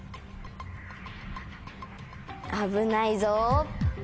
危ないぞ。